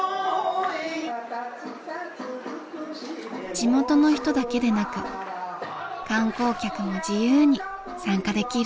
地元の人だけでなく観光客も自由に参加できる。